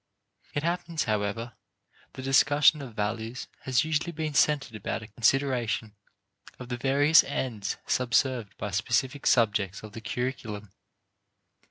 It happens, however, that discussion of values has usually been centered about a consideration of the various ends subserved by specific subjects of the curriculum.